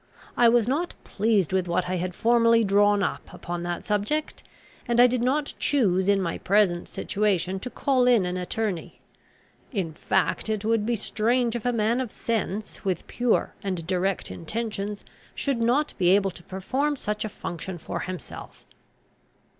I was not pleased with what I had formerly drawn up upon that subject, and I did not choose in my present situation to call in an attorney. In fact, it would be strange if a man of sense, with pure and direct intentions, should not be able to perform such a function for himself."